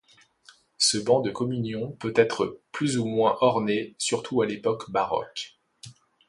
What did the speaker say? Ce banc de communion peut être plus ou moins orné, surtout à l'époque baroque.